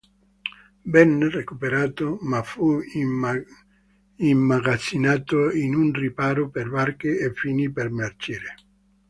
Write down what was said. Venne recuperato, ma fu immagazzinato in un riparo per barche e finì per marcire.